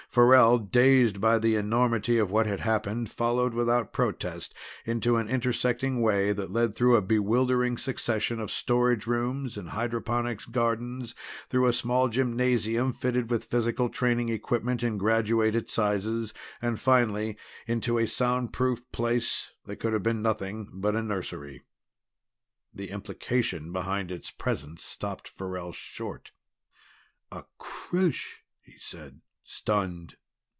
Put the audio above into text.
Farrell, dazed by the enormity of what had happened, followed without protest into an intersecting way that led through a bewildering succession of storage rooms and hydroponics gardens, through a small gymnasium fitted with physical training equipment in graduated sizes and finally into a soundproofed place that could have been nothing but a nursery. The implication behind its presence stopped Farrell short. "A creche," he said, stunned.